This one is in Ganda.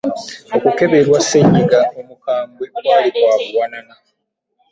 okukeberwa ssenyiga omukambwe kwali kwa buwanana.